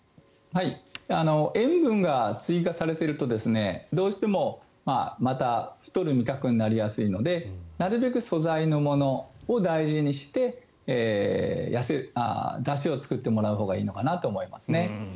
塩分が追加されているとどうしてもまた太る味覚になりやすいのでなるべく素材のものを大事にしてだしを作ってもらうほうがいいのかなと思いますね。